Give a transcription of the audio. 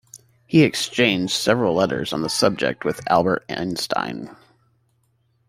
He exchanged several letters on the subject with Albert Einstein.